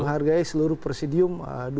menghargai seluruh presidium